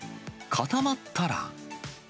固まったら。